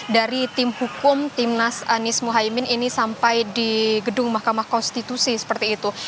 dari tim hukum timnas anies muhaymin ini sampai di gedung mahkamah konstitusi seperti itu